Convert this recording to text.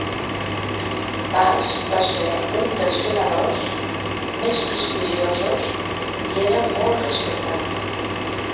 Bas va ser un dels senadors més prestigiosos i era molt respectat.